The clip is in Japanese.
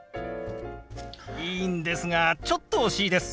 いいんですがちょっと惜しいです。